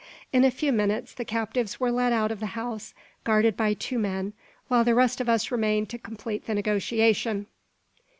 In a few minutes the captives were led out of the house, guarded by two men, while the rest of us remained to complete the negotiation.